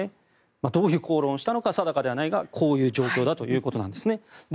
どういう口論をしたのかは定かではないがこういう状況だということです。